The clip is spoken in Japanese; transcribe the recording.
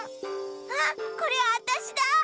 あっこれあたしだ！